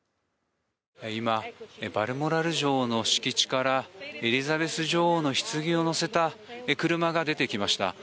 今バルモラル城の敷地からエリザベス女王のひつぎを載せた車が出てきました。